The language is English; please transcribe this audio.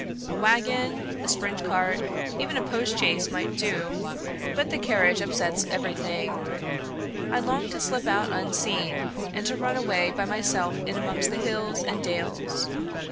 A waggon, a spring cart, even a post chaise might do; but the carriage upsets everything. I longed to slip out unseen, and to run away by myself in amongst the hills and dales.